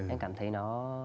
em cảm thấy nó